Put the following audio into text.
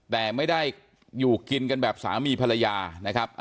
แต่ไม่ได้อยู่กินกันแบบสามีภรรยานะครับ